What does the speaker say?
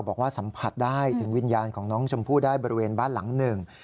บอกว่าสัมผัสได้ถึงวิญญาณของน้องชมพู่ได้บริเวณบ้านหลังหนึ่ง